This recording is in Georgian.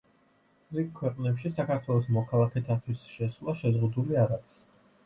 რიგ ქვეყნებში საქართველოს მოქალაქეთათვის შესვლა შეზღუდული არ არის.